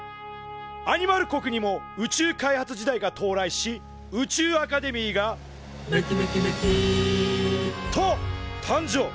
アニマル国にも宇宙開発時代が到来し宇宙アカデミーが「めきめきめきっ」と誕生。